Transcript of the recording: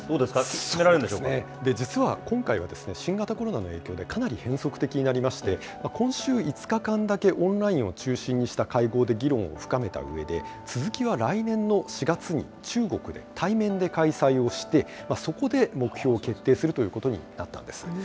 決められるんでしょう実は今回は、新型コロナの影響で、かなり変則的になりまして、今週５日間だけオンラインを中心にした会合で議論を深めたうえで、続きは来年の４月に、中国で、対面で開催をして、そこで目標を決定するということになったんです。